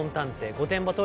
御殿場倒